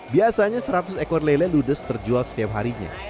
biasanya seratus ekor lele ludes terjual setiap harinya